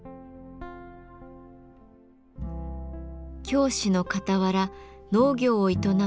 教師のかたわら農業を営む佐藤さん。